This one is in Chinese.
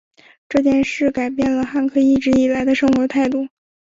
这件事改变了汉克一直以来的生活态度。